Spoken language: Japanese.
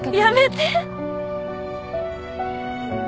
やめて！